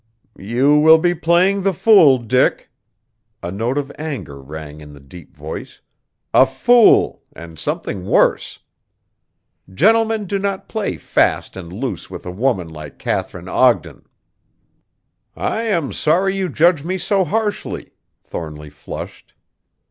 "You will be playing the fool, Dick," a note of anger rang in the deep voice, "a fool, and something worse. Gentlemen do not play fast and loose with a woman like Katharine Ogden!" "I am sorry you judge me so harshly." Thornly flushed.